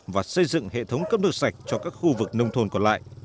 và xây dựng hệ thống cấp nước sạch cho các khu vực nông thôn còn lại